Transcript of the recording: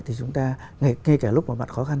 thì chúng ta kể cả lúc mà mặt khó khăn